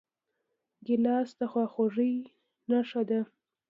ګیلاس د خواخوږۍ نښه ده.